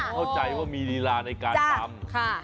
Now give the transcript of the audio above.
เข้าใจว่ามีลีลาในการตำ